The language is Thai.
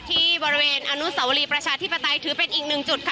ที่บริเวณอนุสาวรีประชาธิปไตยถือเป็นอีกหนึ่งจุดค่ะ